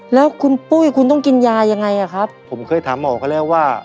แล้วคุณปุ้ยคุณต้องกินยายังไงอ่ะครับผมเคยถามหมอเขาแล้วว่า